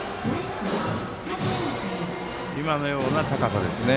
今のような高さですね。